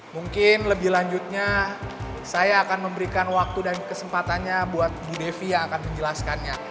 mungkin lebih lanjutnya saya akan memberikan waktu dan kesempatannya buat bu devi yang akan menjelaskannya